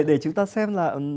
để chúng ta xem là